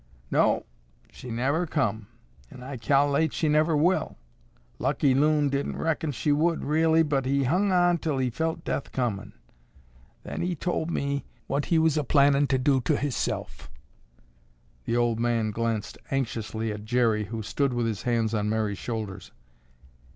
"No, she never come, an' I cal'late she never will. Lucky Loon didn't reckon she would, really, but he hung on till he felt death comin'. Then he tol' me what he was a plannin' to do to hisself." The old man glanced anxiously at Jerry, who stood with his hands on Mary's shoulders.